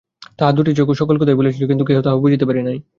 তাহার দুটি চক্ষু সকল কথাই বলিয়াছিল, কিন্তু কেহ তাহা বুঝিতে পারে নাই।